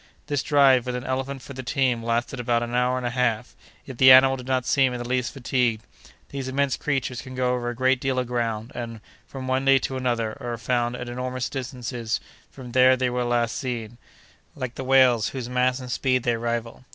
This drive, with an elephant for the team, lasted about an hour and a half; yet the animal did not seem in the least fatigued. These immense creatures can go over a great deal of ground, and, from one day to another, are found at enormous distances from there they were last seen, like the whales, whose mass and speed they rival.